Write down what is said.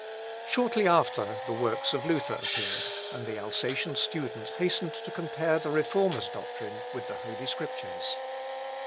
Shortly after, the first works of Luther appeared, and the Alsatian student hastened to compare the Reformer's doctrine with the holy Scriptures.